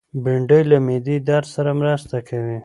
بېنډۍ له معدې درد سره مرسته کوي